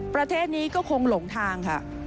ประเทศนี้ก็คงหลงทางค่ะ